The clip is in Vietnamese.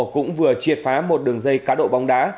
cũng vừa triệt phá một đường dây cá độ bóng đá